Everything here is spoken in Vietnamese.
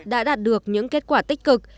đã đạt được những kết quả tích cực